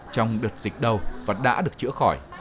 trong đợt dịch đầu và đã được chữa khỏi